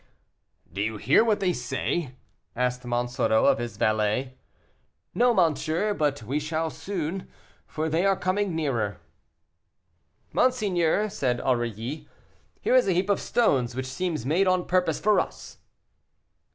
"Do you hear what they say?" asked Monsoreau of his valet. "No, monsieur, but we soon shall, for they are coming nearer." "Monseigneur," said Aurilly, "here is a heap of stones which seems made on purpose for us."